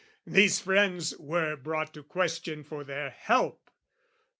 These friends were brought to question for their help.